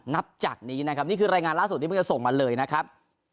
นับจากนี้นะครับนี่คือรายงานล่าสุดที่เพิ่งจะส่งมาเลยนะครับ